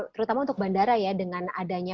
terutama untuk bandara ya dengan adanya